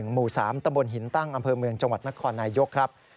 หมู่๓ตำบลหินตั้งอำเภอเมืองจังหวัดนครนายกครับ